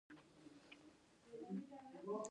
افغانستان کې کندز سیند د نن او راتلونکي لپاره ارزښت لري.